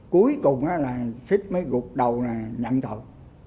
cuối cùng là fit mới gục đầu là nhận tội